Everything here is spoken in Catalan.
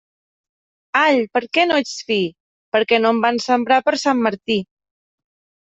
All, per què no ets fi? Perquè no em van sembrar per Sant Martí.